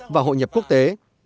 và hội nhập quốc tế